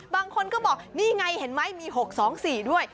บางคนก็บอกนี่ไงเห็นไหมมี๖๒๔ด้วย